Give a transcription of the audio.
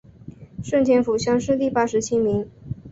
顺天府乡试第八十七名。